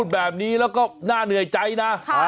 เบิร์ตลมเสียโอ้โห